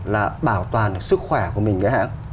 là bảo toàn sức khỏe của mình